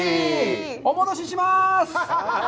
お戻しします！